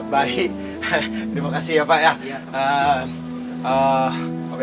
baik terima kasih ya pak ya